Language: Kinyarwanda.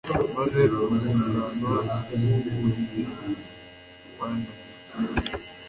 maze urwungano rwumubiri wananiwe